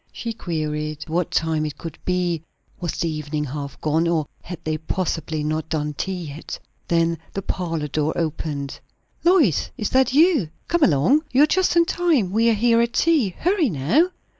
She queried what time it could be; was the evening half gone? or had they possibly not done tea yet? Then the parlour door opened. "Lois! is that you? Come along; you are just in time; we are at tea. Hurry, now!"